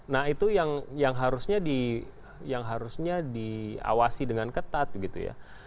nah itu yang harusnya diawasi dengan ketat gitu ya